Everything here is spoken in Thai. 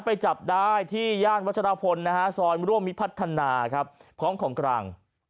ไปจับได้ที่ย่านวัชรพลนะฮะซอยร่วมมิพัฒนาครับพร้อมของกลาง